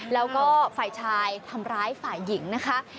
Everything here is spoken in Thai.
แล้วก็ฝ่ายชายทำร้ายฝ่ายหญิงนะคะ